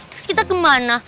terus kita kemana